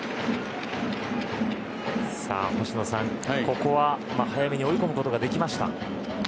星野さん、ここは早めに追い込むことができました。